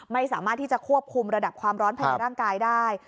ไม่สามารถที่จะควบคุมระดับความร้อนภายในร่างกายได้